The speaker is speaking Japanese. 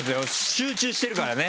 集中してるからね